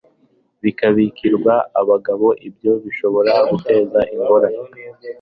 bikabikirwa abagabo. ibyo bishobora guteza ingorane